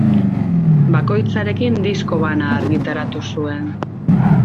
Bakoitzarekin disko bana argitaratu zuen.